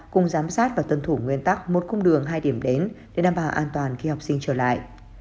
cùng giám sát và tuân thủ nguyên tắc một cung đường hai điểm đến để đảm bảo an toàn khi học sinh trở lại